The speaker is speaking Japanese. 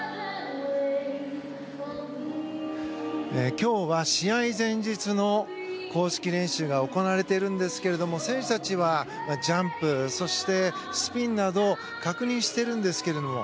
今日は試合前日の公式練習が行われているんですけど選手たちはジャンプ、そしてスピンなど確認しているんですけれども。